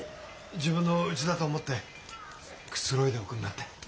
自分のうちだと思ってくつろいでおくんなって。